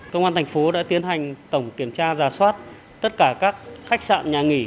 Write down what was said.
công an thành phố đã tiến hành tổng kiểm tra giả soát tất cả các khách sạn nhà nghỉ